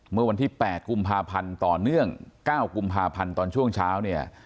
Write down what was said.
เมื่อวันที่๘กุมภาพันธ์ต่อเนื่อง๙กุมภาพันธ์ตอนช่วงเช้าเนี่ย